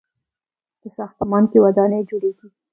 په ساختمان کې ودانۍ جوړیږي.